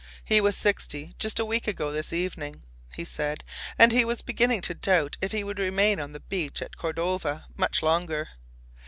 He was sixty just a week ago this evening, he said, and he was beginning to doubt if he would remain on the beach at Cordova much longer.